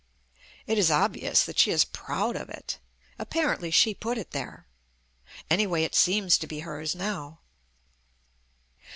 It is obvious that she is proud of it. Apparently she put it there. Anyway, it seems to be hers now.